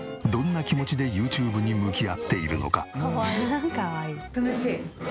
どんな気持ちでＹｏｕＴｕｂｅに向き合っているのか？